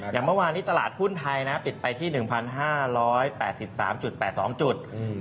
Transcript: อย่างเมื่อวานนี้ตลาดหุ้นไทยนะปิดไปที่๑๕๘๓๘๒จุด